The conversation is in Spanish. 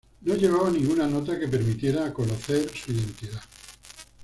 No llevaba ninguna nota que permitiera conocer su identidad.